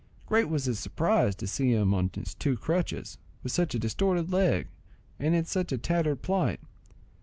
Great was his surprise to see him on his two crutches, with such a distorted leg, and in such a tattered plight.